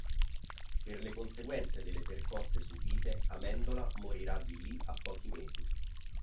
Per le conseguenze delle percosse subite Amendola morirà di lì a pochi mesi.